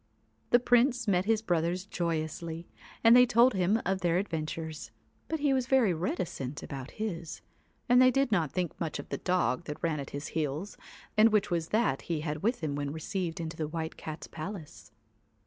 The Prince met his brothers joyously, and they told him their adventures, but he was very reticent about his, and they did not think much of the dog that ran at his heels, and which was that he had with him when received into the White Cat's palace.